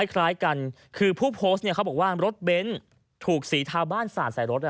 คล้ายกันคือผู้โพสต์เนี่ยเขาบอกว่ารถเบ้นถูกสีทาบ้านสาดใส่รถ